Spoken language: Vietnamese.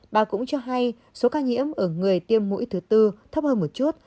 bà cũng cho hay số ca nhiễm ở người tiêm mũi thứ tư thấp hơn một chút